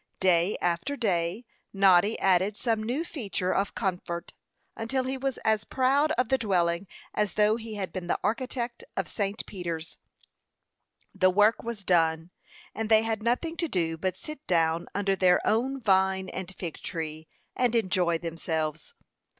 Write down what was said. Day after day Noddy added some new feature of comfort, until he was as proud of the dwelling as though he had been the architect of St. Peter's. The work was done, and they had nothing to do but sit down under their "own vine and fig tree," and enjoy themselves.